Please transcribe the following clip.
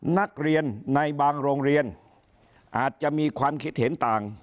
นักเรียนในบางโรงเรียนอาจจะมีความคิดเห็นต่าง